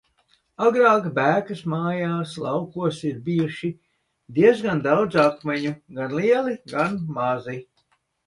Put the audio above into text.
Agrāk Bēkas mājās laukos ir bijuši diezgan daudz akmeņu, gan lieli, gan mazi.